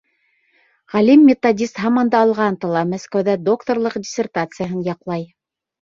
Ғалим-методист һаман да алға ынтыла, Мәскәүҙә докторлыҡ диссертацияһын яҡлай.